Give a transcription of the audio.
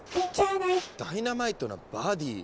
「ダイナマイトなバディ」。